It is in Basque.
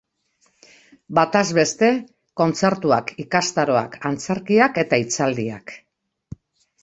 Bataz beste, kontzertuak, ikastaroak, antzerkiak eta hitzaldiak.